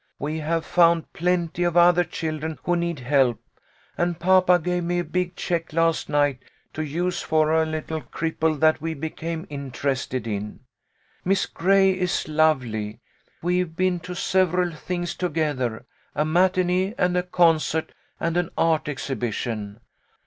We have found plenty of other children who need help, and papa gave me a big check last night to use for a little cripple that we became interested in. Miss Gray is lovely. We've been to several things to gether, a matinee and a concert and an art exhibi tion.